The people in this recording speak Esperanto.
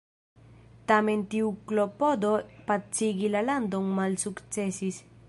Tamen tiu klopodo pacigi la landon malsukcesis.